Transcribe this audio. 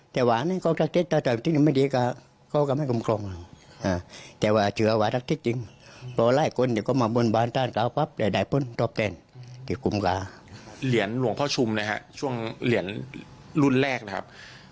ยังมีเจ้าต้นที่พาลโลงครับ